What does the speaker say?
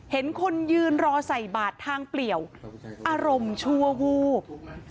เห็นคนยืนรอใส่บาททางเปลี่ยวอารมณ์ชั่ววูบ